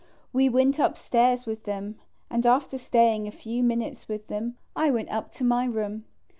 We went upstairs with them, and after staying a few minutes with them, I went up to my room.